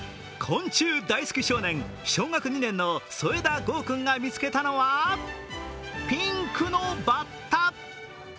昆虫大好き少年、小学２年・副田剛君が見つけたはピンクのバッタ。